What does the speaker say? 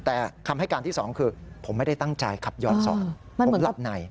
แต่คำให้การที่สองคือผมไม่ได้ตั้งใจขับย้อนสอนผมหลับใน